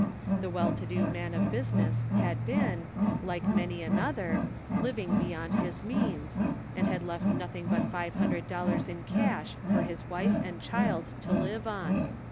55 The well to do man of business had been, like many another, living beyond his means, and had left nothing but five hundred dollars in cash for his wife and child to live on.